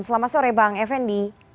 selamat sore bang fnd